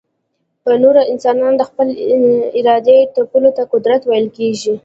پر نورو انسانانو د خپلي ارادې تپلو ته قدرت ويل کېږي.